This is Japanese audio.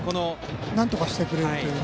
なんとかしてくれるという。